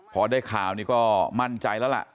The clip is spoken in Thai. พอได้ข่าวนี่ก็มั่นใจแล้วล่ะ